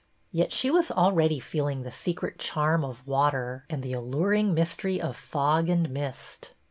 Yet she was already feeling the secret charm of water and the alluring mys tery of fog and mist.